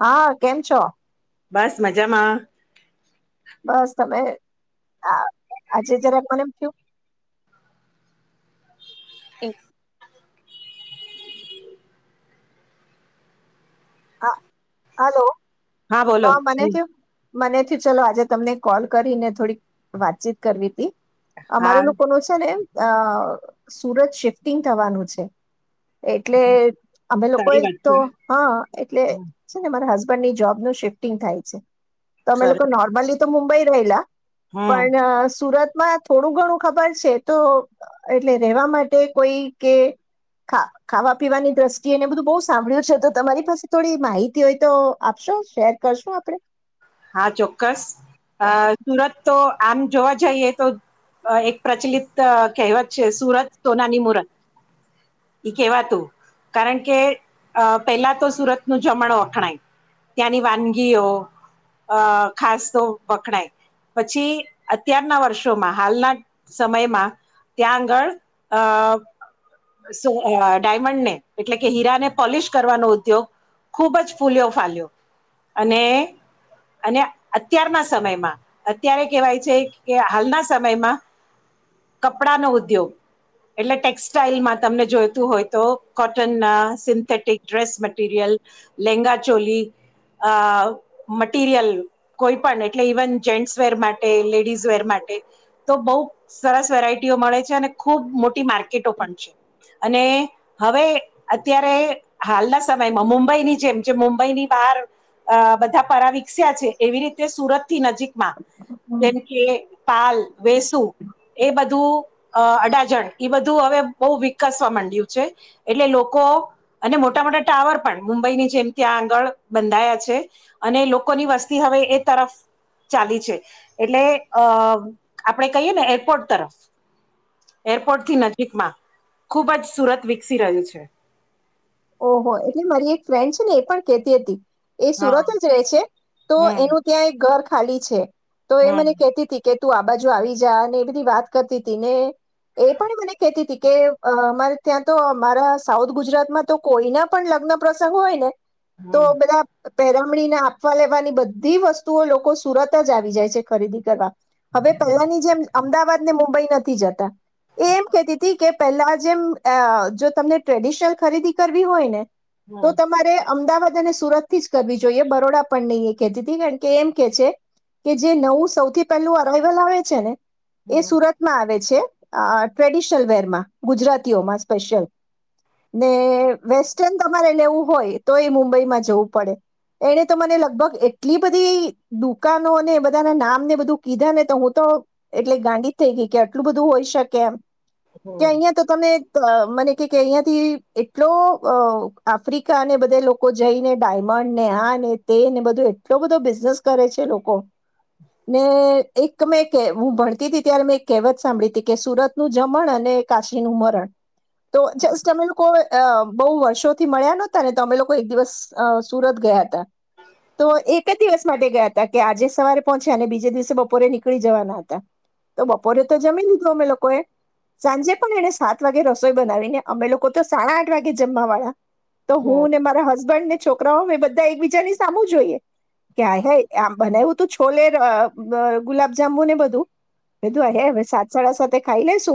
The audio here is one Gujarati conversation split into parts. હા કેમ છો? બસ મજામાં. હ આજ જરા કોનેમ થયું. હા, હાલો. હા બોલો. મનેથી ચલો આજે તમને કોલ કરીને થોડીક વાતચીત કરવી તી. હા અમારે લોકો ન છે ને એમ અ સુરત શિફ્ટિંગ થવાનું છે. એટલે અમે લોકો સારી એક વાત તો છે હા એટલે છે ને મારા હસબન્ ની જોબનું શિફ્ટિંગ થાય છે. તમે લોકો સરસ નોર્મલી તો મુુંબઈ રહેલા. હમ પણ સુરત માં થોડું ઘણું ખબર છે તો એટલે રહેવા માટે કોઈ કે ખાવા પીવાની દ્રષ્ટિએને બધું બહુ સાંભળ્યું છે તો તમારી પાસે થોડી માહિતી હોય તો આપશો શેર કરશું આપડે. હા ચોક્કસ, અ સુરત તો આમ જોવા જઈએ તો એક પ્રચલિત કહેવત છે સુરત સોનાની મુરત ઈ કહેવાતું કારણ કે પેલા તો સુરત નું જમણો અખણાય, ત્યાંની વાનગીઓ અ ખાસ તો વખણાય, પછી અત્યારના વર્ષોમાં હાલના સમયમાં, ત્યાં આગળ અ ડાયમંડને એટલે કે હીરાને પોલિશ કરવાનો ઉદ્યોગ ખૂબ જ ફૂલ્યો ફાલ્યો, અને અને અત્યારના સમયમાં, અત્યારે કહેવાય છે કે હાલના સમયમાં, કપડાનો ઉદ્યોગ એટલે ટેક્સટાઈલમાં તમને જોઈતું હોય તો કોટનના સિન્થેટિક ડ્રેસ મટીરિયલ, લેંગાચોલી અ મરિયલ કોઈ પણ એટલે ઇવન જેન્ટસ વર માટે લેડીઝ વેર માટે, તો બહુ સરસ વેરાયટીઓ મળે છે અને ખૂબ મોટ માર્કેટો પણ છે. અને હવે અત્યારે હાલના સમયમાં મુંબઈની જેમ જે મુંબઈની બહાર બધા પરાવી છે એવી રીતે સુરત થી નજીકમાં, હમ. જેમ કે પાલ વેસુ એ બધું અ અડાજણ એ બધું હવે બહુ વિકસવા માંડ્યું છે, એટલે લોકો અને મોટા મોટા ટાવર પણ મુંબઈની જેમ ત્યાં આગળ બંધાયા છે, અને લોકોની વસ્તી હવે એ તરફ ચાલી છે, એટલે અ આપણે કહીએ ને એરપોર્ટ તરફ એરપોર્ટથી નજીકમાં, ખૂબ જ સુરત વિકસી રહ્યું છે. ઓહ એટલે મારી એક ફ્રેન્ડ છે ને એ પણ કેતી હતી એ હા સુરત જ રહે છે, તો હમ એનું ત્યાં એક ઘર ખાલી છે. તો એ મને હમ ખેતી થી કે તું આ બાજુ આવી જા એ બધી વાત કરતી હતી ને, એ પણ મને કહેતી હતી કે અમારે ત્યાં તો અમારા સાઉથ ગુજરાતમાં તો કોઈ ના પણ લગ્ન પ્રસંગ હોય ને તો હમ બધા પેરમણીને આપવા લેવાની બધી વસ્તુઓ લોકો સુરત જ આવી જાય છે ખરીદી કરવા. હવે પેહલાની જેમ અમદાવાદ ને મુંબઈ નથી જતા. એમ કેતી તી કે પેલા જેમ અ જો તમને ટ્રેડિશનલ ખરીદી કરવી હોય ને તો હમ તમારે અમદાવાદ અને સુરત થી જ કરવી જોઈએ બરોડા પણ નહી એ કતી હતી કાણ કે, એમ કે છે કે જે નવું સૌથી પહેલું અરાઈવલ આવે છે ને એ હમ સુરત માં આવે છે. અ ટ્રેડિશનલ વેર માં, ગુજરાતીઓમાં સ્પેશિયલ. ને વેસ્ટન તમારે લેવું હોય તો એ મુંબઈમાં જવું પડે એને તો મને લગભગ એટલી બધી દુકાનો અને એ બધાના નામને બધું કીધા ને તો હું તો એટલે ગાંડી જ થઈ ગઈ. કે આટલું બધું હોય શકે એમ. કે હમ અહિયાં તો તમે તો મને કે કે અહિયાં થી એ ટલો અ આફ્રિકા ને બધે લોકો જઈને ડાયમંડ ને આ ને તે ને બધો એટલો બધો બિઝનેસ કરે છે લોકો. ને એક મેં કે હું ભણતી ત્યારે મેં કહેવત સાંભળી હતી કે સુરતનું જમણ અને કાશીનું મરણ તો જસ્ટ અમે લોકો અ બઉ વર્ષોથી મળ્યા નતા ને તો અમે લોકો એક દિવસ અ સુરત ગયા હતા, તો એક જ દિવસ માટે ગયા હતા કે આજે સવારે પહોંચ્યા અને બીજે દિવસે બપોરે નીકળી જવાના હતા, તો બપોરે તો જમી લીધું અમે લોકોએ, સાંજે પણ એને સાત વાગે રસોઈ બનાવીને અમે લોકો તો સાડા આઠ વાગે જમવા વાળા. તો હમ હું, ને મારા હસબન્ડ ને છોકરાઓ મે બધા એક બીજાની સામું જોઈએ, કે આય હાય આમ બનૈવું તો છોલે અ અ ગુલાબ જાંમુ ને બધું બીધું એ હે હવે સાત સાડા સાતે ખાઈ લેેશુ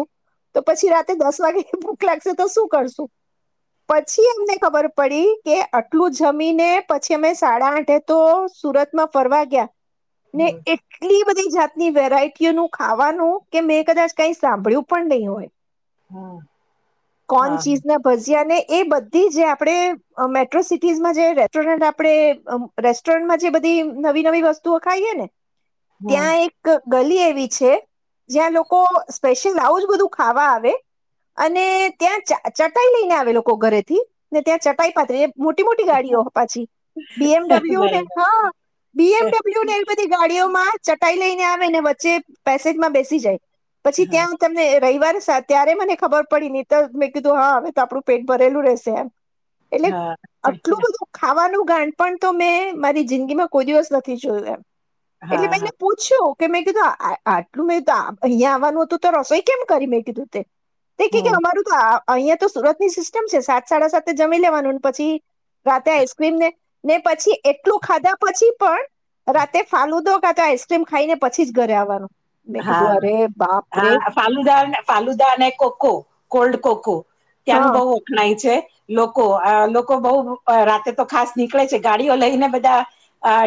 તો પછી રાતે દસ વાગે ભૂખ લાગશે તો શું કરશું? પછી અમને ખબર પડી કે આટલું જમીને પછી અમે સાડા આઠે તો સુરતમાં ફરવા ગ્યા. ને હમ એટલી બધી જાતની વેરાયટીઓનું ખાવાનું, કે મેં કદાચ કઈ સાંભૂળ્યું પણ નહીં હોય. હમ કોણ હા ચીજ ના ભઝિયા અને એ બધી જે આપણે અ મેટ્રો સિટીઝમાં જે રેસ્ટોરન્ટ આપણે રેસ્ટોરન્ટમાં જે બધી નવી નવી વસ્તુઓ ખાઈએ ને હમ ત્યાં એક ગલી એવી છે, જ્યાં લોકો સ્પેશિયલ આવું જ બધું ખાવા આવે, અને ત્યાં ચા ચટાઈ લઈને આવે લોકો. લોકો ઘરે થી, ને ત્યાં ચટાઈ પાથરી મોટી મોટી ગાડીઓ પાછી બી એમ ડબલ્યુ ને બરાબર હા બી એમ ડબલ્યુ ને એવી બધી ગાડીઓમાં ચટાઈ લઈને આવે વચ્ચે પેસેજમાં બેસી જાય. પછી હા, ક્યાં તમને રવિવાર ત્યારે મને ખબર પડી ને તો મેં કીધું હા હવે તો આપડું પેટ ભરેલું રહેશે એમ. એટલે હા. આટલું બધું ખાવાનું ણપણ તો મેં મારી જિંદીમાં કોઈ દિવસ નથી જોય એમ. એટલે હા, હા. મેંને પૂછ્યું તે મેં કીધું આ આટ આટલું મે કીધું અહિયા આવવાનું હતું તો રસોઈ કેમ કરી મેં કીધું તે? તે કે કે હમ. અમારું તો આ અહીંયા તો સુરત ની સિસ્ટમ છે સાત સાડા સાતે જમી લેવાનું ને પછી રાતે આઈસક્રીમને ને પછી એટલું ખાધા પછી પણ, રાતે ફાલુદો કા તો આઈસ્ક્રીમ ખાઈને પછીજ ઘરે આવવાનું. મેં કીધું હા, અરે બાપ રે હા ફાલુદા ફાલુદા અને કોકો કોલ્ડ કોકો. ત્યાંનું હા બવ ઉખણાય છે, લોકો અ લોકો બવ રાતે તો ખાસ નીકળે છે ગાડીઓ લઈને બધા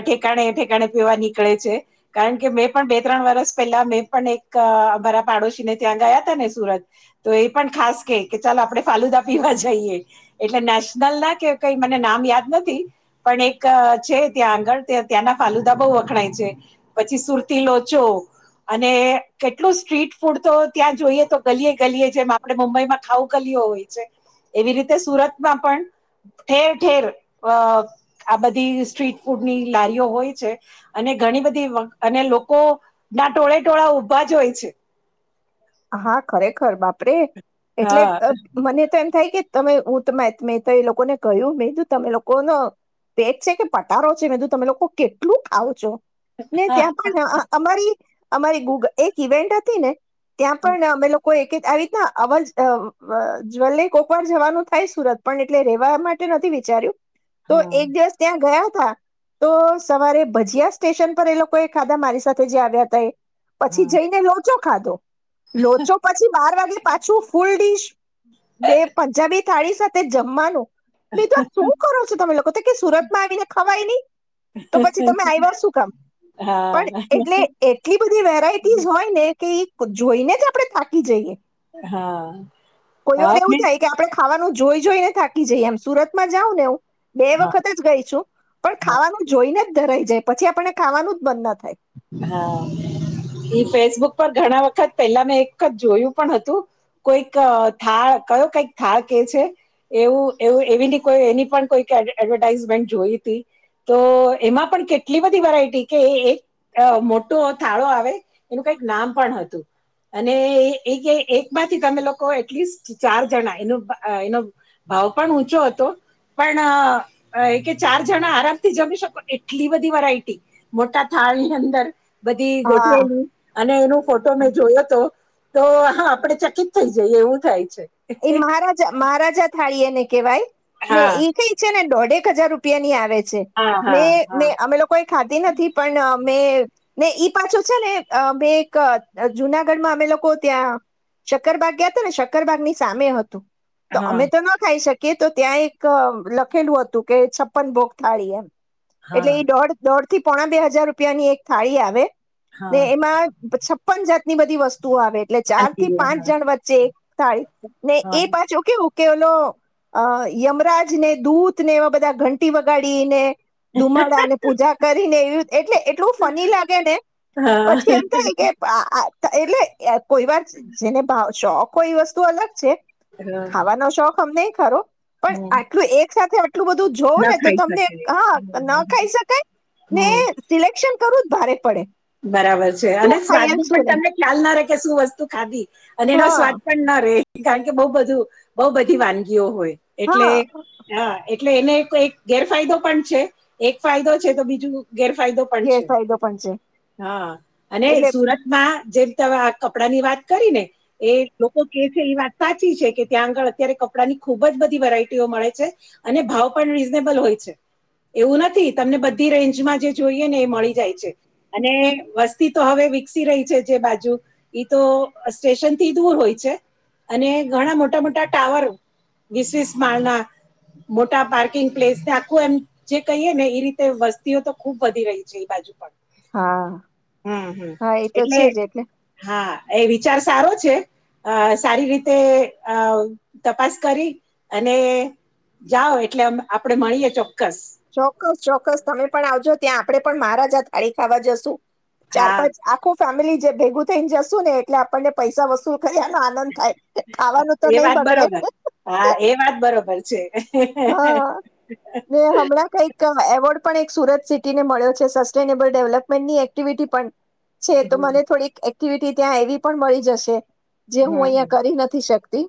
ઠેકાણે ઠેકાણે પીવા નીકળે છે, કારણ કે મેં પણ બે ત્રણ વરષ પેલા મેં પણ એકઅ મારા પાડોશી ને ત્યાં ગયા હતા ને સુરત, તો એ પણ ખાસ કેય કે ચાલો આપડે ફાલુદા પીવા જઈએ, એટલે નેશનલ ના કે કઈ મને નામ યાદ નથી, પણ એક છે ત્યાં આગળ તે ત્યાંના ફાલુદા બઉ વખણાય છે, પછી સુરતી લોચો. અને કેટલું સ્ટ્રીટ ફૂડ તો ત્યાં જોઈએ તો ગલીએ ગલીએ જેમ આપણે મુંબઈમાં ખાઉું ગલીઓ હોય છે, એવી રીતે સુરતમાં પણ ઠેર ઠેર અ આ બધી સ્ટ્રીટ ફૂડની લારીઓ હોય છે, અને ઘણી બધી અને લોકો ના ટોળે ટોળા ઊભા જ હોય છે. હા ખરેખર બાપરે. એટલે હા અ મને તો એમ થાય કે ત મે હું તો મે તો એ લોકોને કહ્યું મે કીધું તમે લોકોનો, પેટ છે કે પટારો છે મેકુ તમે લોકો કેટલું ખાવ છો. ને હા ત્યાં પણ અ અ અમારી અમારી ગુગ એક ઇવેન્ટ હતી ને. ત્યાં પણ અમે લોકો કોઈ એક આવી રીતના અવાજ અ જવલી કોકવાર જવાનું થાય સુરત પણ એટલે રેવા માટે નથી વિચાર્યું. તો હા એક દિવસ ત્યાં ગયા. હા તો સવારે ભજીયા સ્ટેશન પર એ લોકો એ ખાધા મારી સાથે જે આવ્યા હતા એ. હા પછી જઈને લોચો ખાધો. લોચો પછી બાર વા પાછું ફૂલ ડીશ, બે પંજાબી થાળી સાથે જમવાનું. મેં ધૂ આ શું કરો છો તમે લોકો તો કે સુરતમાં આવીને ખવાય ની, તો પછી તમે આયવા શું કામ? પણ હા એટલે એટલી બધી વેરાયટીઝ હોય ને. તે તો જોઈને જ આપણે થાકી જઈએ. હા, કોઈ વાર એવું હાને થાય કે આપણે ખાવાનું જોઈ જોઈ ને થાકી જઈએ એમ સુરતમાં જાઉ ને ઉ બે વખત જ ગઈ છું, પણ હા ખાવાનું જોઈને ધરાઈ જાય પછી આપણે ખાવાનું જ મન ના થાય. હા, એ ફેસબુક પર ઘણા વખત પહેલા મેં એકખત જોયું પણ હતું, કોઈક થાળ કયો કઈક થાળ કે છે, એવું એવું એવી કો એની પણ કોઈક એડવર્ટાઈઝમેન્ટ જોઈતી, તો એમાં પણ કેટલી બધી વેરાયટી કે એક મોટો થાળો આવે, એનું કઈક નામ પણ હતું, અને એકે એક માંથી તમે લોકો એટલીસ્ટ ચાર જણા એનું એનો ભાવ પણ ઊંચો હતો, પણ એ કે ચાર જણા આરામથી જમી શકો એટલી બધી વરાયટી મોટા થાળ ની અંદર બધી હા. ગોઠવેલી અને એનો ફોટો મેં જોયોતો. તો હા આપડે ચકિત થઈ જઈએ એવું થાય છે. એ મહારાજા મહારાજા થાળી એને કેવાય. ને હા એ કઈ છે નો એક હજાર રૂપિયા ની આવે છે. હા મે હા અમે લોકો ખા નથી પણ અ ને ઈ પાછો છે ને બે એક જુનાગઢમાં અમે લોકો ત્યાં, શક્કરબાગ ગયા હતા ને શક્કરબાગ ની સામે હતુ. તો હા અમે તો ના ખાઈ શકીએ કે તો ત્યાં એક લખેલું હતું કે છપ્પન ભોગ થાળી એમ. હા એટલે એ દોઢ દોઢ થી પોણા બે હજાર રૂપિયાની એક થાળી આવે. ને હા એમાં છપ્પન જાતની બધી વસ્તુઓ આવે. એટલે ચાર શાંતિ થી પાંચ રહે, જણ વચ્ચે એક થાળી. ને હા. એ પાછું કેવું ત કેલો અ યમરાજ ને દૂતને એવા બધા ઘંટી વગાડીને ધુમાડાને પૂજા કરીને એવી એટલે એટલું ફની લાગે ને, હા પછી એમ થાય કે આ એટલે કોઈ વાર જેને ભાવ ચો કોઈ વસ્તુ અલગ છેે. હા ખાવાનો શોખ અમને ખરો, પણ હમ આટલું એક સાથે એટલું બધું જોવ ના ને તો ખાઈ તમને શકે હા ના હમ ખાઈ શકાય, ને સિલેક્શન કરું જ ભારે પડે. બરાબર છે અને શું સ્વાદ ખાય એમ નુ શું પણ નહી તમને ખ્યાલ ના રહે. કે શું વસ્તુ ખાધી. અને એનો સ્વાદ હા પણ ના રે. કારણ કે બહુ બધું બઉ બધી વાનગીઓ હોય. એટલે હા હા એટલે એને એક ગેરફાયદો પણ છે. એક ફાયદો છે. તો બીજું ગેરફાયદો પણ છે. ગેરફાયદો પણ છે હા અને એટલે સુરત માં જેમીતે આ કપડા ની વાત કરી ને એ લોકો કે છે એ વાત સાચી છે કે ત્યાં આગળ અત્યારે કપડાની ખુબ જ બધી વેરાયટીઓ મળે છે. અને ભાવ પણ રીઝનેબલ હોય છે. એવું નથી તમને બધી રેન્જ માં જે જોઈએ ને એ મળી જાય છે. અને વસ્તી તો હવે વિકસી રહી છે જે બાજુ ઈ તો સ્ટેશન થી દૂર હોય છે અને ઘણા મોટા મોટા ટાવર વીસ વીસ માળના મોટા પાર્કિંગ પ્લેસ આખું એમ જે કહીએ ને એ રીતે વસ્તીઓ તો ખૂબ વધી રહી છે. એ બાજુ પણ હા હમ હમ હા એ તો એટલે છે જ હા એ વિચાર સારો છે. અ સારી રીતે અ તપાસ કરી અને જાઓ એટલે આપડે મળીએ ચોક્કસ. ચોક્કસ ચોક્કસ તમે પણ આવજો ત્યાં આપડે પણ મહારાજા અડી ખાવા જસું ચાર હા પાંચ આખો ફેમિલી જે ભેગું થઈને જશુ ને એટલે આપણને પૈસા વસુલ કરીનો આનંદ. થાય ખાવાનું તો એ નહી વાત બગડે બરોબર હા એ વાત બરોબર છે. હા ને હમણાં કઈક. એવોર્ડ પણ એક સુરત સિટીને મળ્યો છે સસ્ટેનેબલ ડેવલપમેન્ટની એક્ટિવિટી પણ. છે તો હમ મને થોડીક. એક્ટિવિટી ત્યાં એવી પણ મળી જશે. જે હું હમ અહિયાં કરી નથી શક. તે.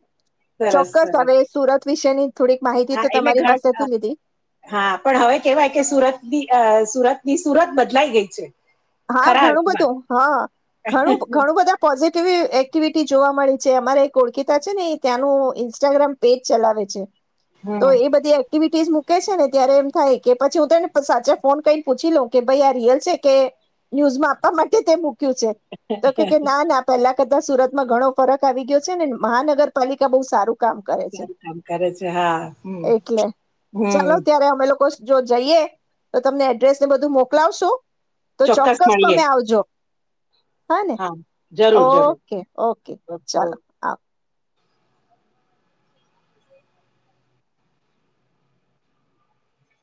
સરસ ચોક્કસ સરસ હવે સુરત. વિષયની થોડીક માહી. હા એટલે હા પણ હવે કેવાય કે સુરત સુરત. ની સુરત બદલાઈ ગઈ છે. હા ખરા ઘણું અર્થમાં બધું હા ઘણું ઘણું બધા પોઝિટિવ એક્ટિવ. જોવા મળી છે અમારે ઓળખતા છે ને ત્યાંનું ઇન્સ્ટાગ્રામ પેજ ચલાવે છે. તો હમ એ બધી એક્ટિવિટી. મૂકે છે ને ત્યારે એમ થાય કે પછી હું તને સાચા ફોન કરીને પૂછી લઉ કે ભાઈ આ રિયલ છે કે. ન્યુઝ માં આપવા માટે તેક. તો કે ના ના પેલા બકા સુરતમાં ઘણો ફરક આવી ગયો છે ને મહાનગરપાલિકા બહુ સારું. કામ કરે છે સારું કામ કરે છે હા હમ એટલે હમ. ચાલો ત્યારે અમે લોકો જો જઈએ તો તમને એડ્રેસને બધું મોકલાવશું. તો ચોક્કસ તમે આવજો. હા ને જરૂર, જરૂર. ઓકે ઓકે ચલોો આવ.